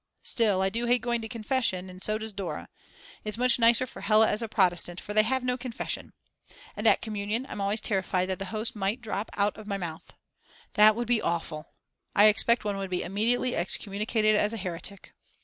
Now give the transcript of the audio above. Still, I do hate going to confession, and so does Dora. It's much nicer for Hella as a Protestant for they have no confession. And at communion I'm always terrified that the host might drop out of my mouth. That would be awful. I expect one would be immediately excommunicated as a heretic.